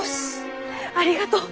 ありがとう！